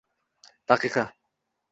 daqiqa